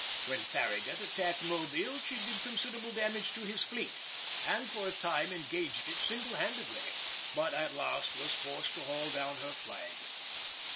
When Farragut attacked Mobile she did considerable damage to his fleet, and for a time engaged it single handed, but at last was forced to haul down her flag.